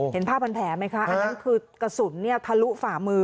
เห็นภาพเป็นแผลไหมคะอันนั้นคือกระสุนทะลุฝ่ามือ